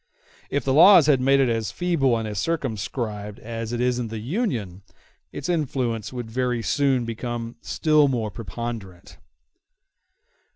If the laws had made it as feeble and as circumscribed as it is in the Union, its influence would very soon become still more preponderant.